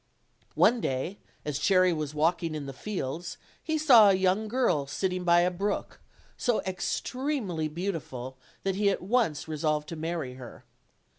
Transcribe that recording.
One day as Cherry was walking in the fields he saw a young girl sitting by a brook, so extremely beautiful that he at once resolved to marry her.